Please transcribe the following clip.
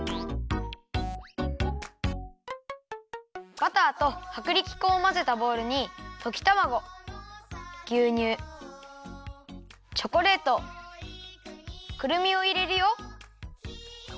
バターとはくりき粉をまぜたボウルにときたまごぎゅうにゅうチョコレートくるみをいれるよ。